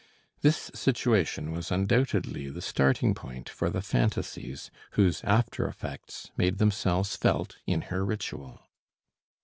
This situation was undoubtedly the starting point for the phantasies, whose after effects made themselves felt in her ritual.